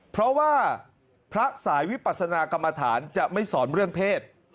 เพราะว่าพระสายวิปัสนากรรมฐานจะไม่สอนเรื่องเพศ